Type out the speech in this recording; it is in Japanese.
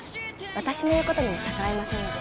私の言う事にも逆らえませんので。